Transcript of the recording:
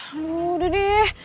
aduh udah deh